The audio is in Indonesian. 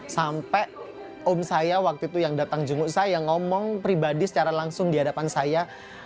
sampai om saya waktu itu yang datang jenguk saya ngomong pribadi secara langsung di hadapan saya